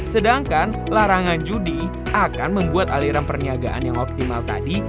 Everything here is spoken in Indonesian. sedangkan larangan judi akan membuat aliran perniagaan yang optimal tadi